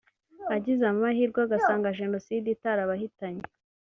agize amahirwe agasanga Jenoside itarabahitanye